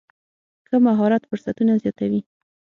ښه مهارت فرصتونه زیاتوي.